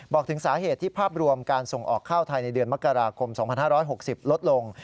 บอกถึงสาเหตุที่ภาพรวมการส่งออกข้าวไทยในเดือนมกราคม๒๕๖๐ลดลง